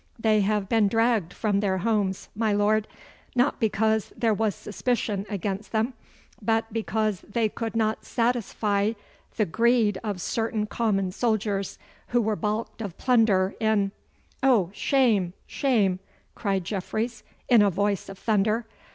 They have been dragged from their homes, my Lord, not because there was suspicion against them, but because they could not satisfy the greed of certain common soldiers who were balked of plunder in ' 'Oh, shame, shame!' cried Jeffreys, in a voice of thunder.